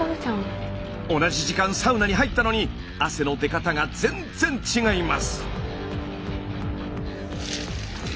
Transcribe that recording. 同じ時間サウナに入ったのに汗の出方が全然違います！